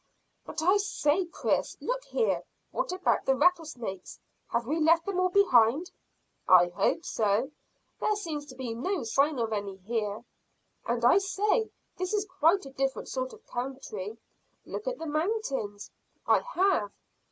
"But I say, Chris, look here. What about the rattlesnakes? Have we left them all behind?" "I hope so. There seems to be no sign of any here." "And I say, this is quite a different sort of country. Look at the mountains." "I have."